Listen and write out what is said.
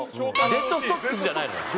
「デッドストックス」じゃないのよ。